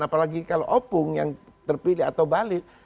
apalagi kalau opung yang terpilih atau balik